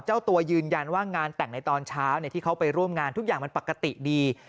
เจ้าตัวยืนยันว่างานแต่งในตอนเช้าที่เขาไปร่วมงานทุกอย่างมันปกติดี